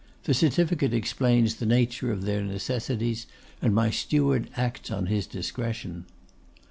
The certificate explains the nature of their necessities, and my steward acts on his discretion.